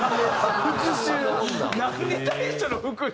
何に対しての復讐？